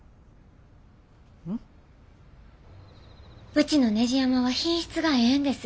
うちのねじ山は品質がええんです。